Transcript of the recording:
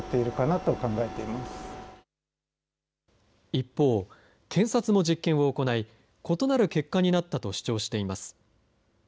一方、検察も実験を行い、異なる結果になったと主張しています。